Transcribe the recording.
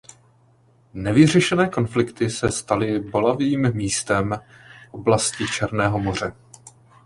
Nevyřešené konflikty se staly bolavým místem oblasti Černého moře.